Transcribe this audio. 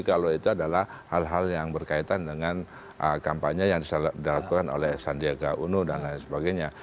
kalau itu adalah hal hal yang berkaitan dengan kampanye yang dilakukan oleh sandiaga uno dan lain sebagainya